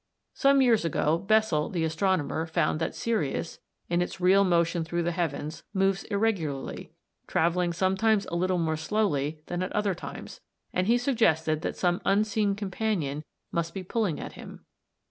Some years ago Bessel the astronomer found that Sirius, in its real motion through the heavens, moves irregularly, travelling sometimes a little more slowly than at other times, and he suggested that some unseen companion must be pulling at him.